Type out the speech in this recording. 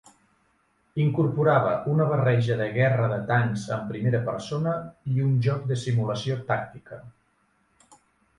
Incorporava una barreja de guerra de tancs en primera persona i un joc de simulació tàctica.